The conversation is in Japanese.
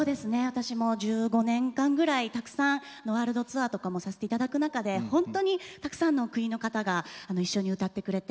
私も１５年間ぐらいたくさんワールドツアーとかもさせていただく中でほんとにたくさんの国の方が一緒に歌ってくれて。